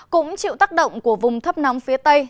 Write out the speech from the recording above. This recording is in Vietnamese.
cũng chịu tác động của vùng thấp nóng phía tây